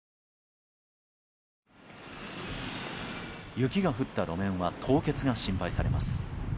雪が降った路面は凍結が心配されます。